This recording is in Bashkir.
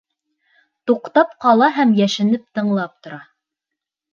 Туҡтап ҡала һәм йәшенеп тыңлап тора.